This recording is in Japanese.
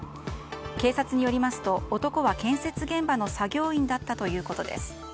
警察によりますと男は建設現場の作業員だったということです。